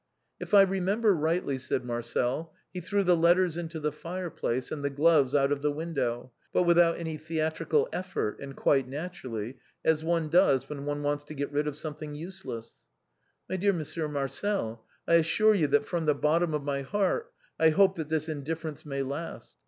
" If I remember rightly," said ]\Iarcel, "he threw the let ters into the fireplace, and the gloves out of the window, but without any theatrical effort, and quite naturally, as one does when one wants to get rid of something useless." " My dear Monsieur Marcel, I assure you that from the bottom of my heart I hope that this indifference may last.